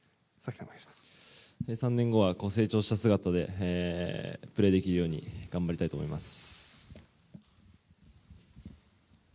３年後は成長した姿でプレーできるように頑張りたいと思います。